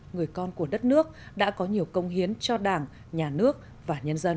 người con của đất nước đã có nhiều công hiến cho đảng nhà nước và nhân dân